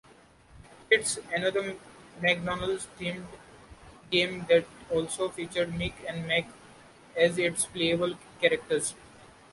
Kids, another McDonald's-themed game that also featured Mick and Mack as its playable characters.